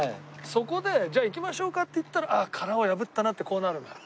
そこでじゃあ行きましょうかって言ったらああ殻を破ったなってこうなるのよ。